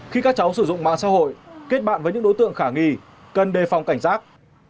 khi các cháu sử dụng mạng xã hội kết bạn với những đối tượng khả nghi cần đề phòng cảnh giác